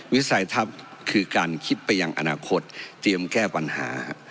วิสัยทัศน์คือการคิดไปยังอนาคตเตรียมแก้ปัญหา